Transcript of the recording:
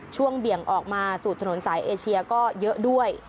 เบี่ยงออกมาสู่ถนนสายเอเชียก็เยอะด้วย